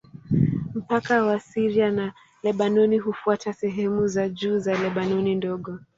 Mpaka wa Syria na Lebanoni hufuata sehemu za juu za Lebanoni Ndogo.